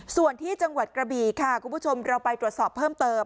ส่วนที่จังหวัดกระบี่ค่ะคุณผู้ชมเราไปตรวจสอบเพิ่มเติม